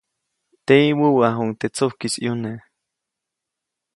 Teʼyi, wäwäʼajuŋ teʼ tsujkis ʼyune.